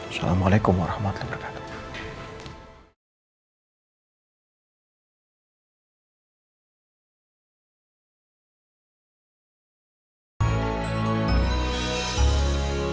assalamualaikum warahmatullahi wabarakatuh